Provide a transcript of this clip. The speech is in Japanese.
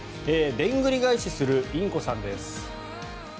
でんぐり返しするインコさんです。